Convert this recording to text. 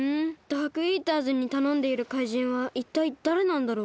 ダークイーターズにたのんでいる怪人はいったいだれなんだろう。